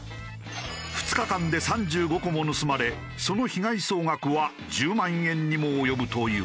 ２日間で３５個も盗まれその被害総額は１０万円にも及ぶという。